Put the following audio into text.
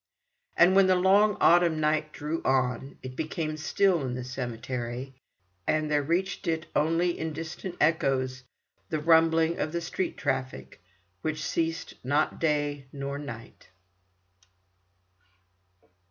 And when the long autumn night drew on, it became still in the cemetery, and there reached it only in distant echoes the rumbling of the street traffic, which ceased not day nor night.